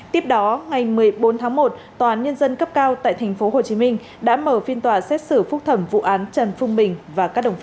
tiếp đó ngày một mươi bốn tháng một tòa án nhân dân cấp cao tại tp hcm đã mở phiên tòa xét xử phúc thẩm vụ án trần phương bình và các đồng phạm